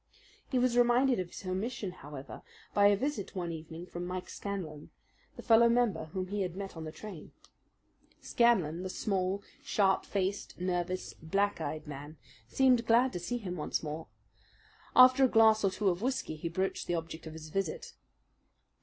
He was reminded of his omission, however, by a visit one evening from Mike Scanlan, the fellow member whom he had met in the train. Scanlan, the small, sharp faced, nervous, black eyed man, seemed glad to see him once more. After a glass or two of whisky he broached the object of his visit.